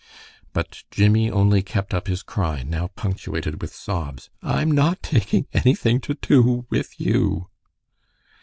But Jimmie only kept up his cry, now punctuated with sobs, "I'm not taking anything to do with you."